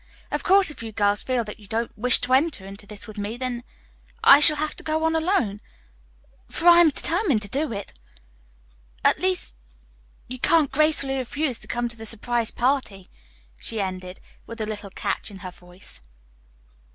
Of course, if you girls feel that you don't wish to enter into this with me, then I shall have to go on alone, for I am determined to do it. At least you can't gracefully refuse to come to the surprise party," she ended, with a little catch in her voice.